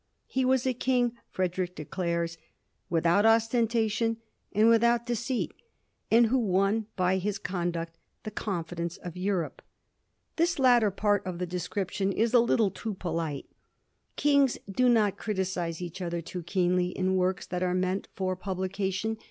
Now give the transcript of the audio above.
He was a king, Frederick declares, * without ostentation and with out deceit,' and who won by his conduct the con fidence of Europe. This latter part of the description Digiti zed by Google 1727 HIS EPITAPH. 355 is a little too polite. Kings do not criticise each other too keenly in works that are meant for publi cation.